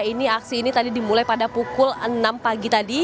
ini aksi ini tadi dimulai pada pukul enam pagi tadi